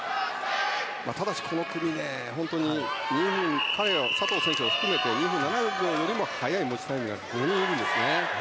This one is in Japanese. ただし、この組は佐藤選手を含めて２分７秒よりも早い持ちタイムが４人いるんですね。